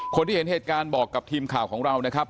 คนที่เห็นเหตุการณ์บอกกับทีมข่าวของเรานะครับ